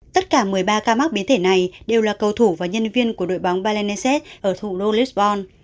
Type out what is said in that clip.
tất cả một mươi ba ca mắc biến thể này đều là cầu thủ và nhân viên của đội bóng balennesset ở thủ đô lisbon